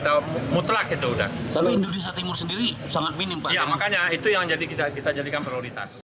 terlebih untuk memenuhi kekurangan pada daerah indonesia timur